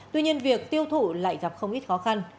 tuy nhiên việc tiêu thụ lại gặp không ít khó khăn